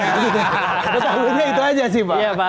tahu tahu itu aja sih pak